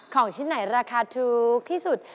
ของชิ้นไหนราคาถูกที่สุด